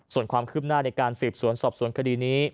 ส่วนความคืบหน้าในการสืบสวนสอบสวนคดีนี้